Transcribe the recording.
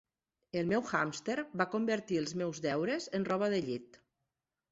El meu hàmster va convertir els meus deures en roba de llit.